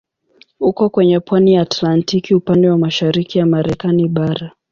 Uko kwenye pwani ya Atlantiki upande wa mashariki ya Marekani bara.